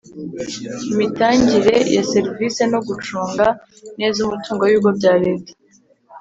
imitangire ya serivisi no gucunga neza umutungo w ibigo bya Leta